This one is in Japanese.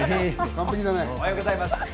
おはようございます。